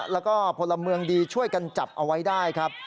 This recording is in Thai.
แล้วก็พลเมืองดีช่วยกันจับเอาไว้ได้ครับ